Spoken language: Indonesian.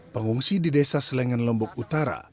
pengungsi di desa selengan lombok utara